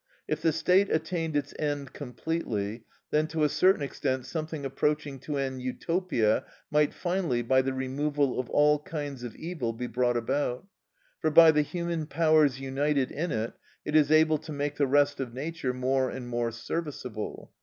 If the state attained its end completely, then to a certain extent something approaching to an Utopia might finally, by the removal of all kinds of evil, be brought about. For by the human powers united in it, it is able to make the rest of nature more and more serviceable.